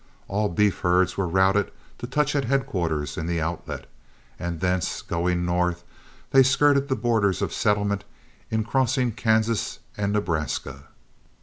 All beef herds were routed to touch at headquarters in the Outlet, and thence going north, they skirted the borders of settlement in crossing Kansas and Nebraska.